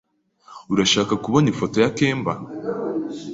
Urashaka kubona ifoto ya kemba?